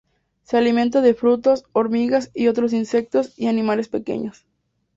Se alimentan de frutos, hormigas y otros insectos y animales pequeños.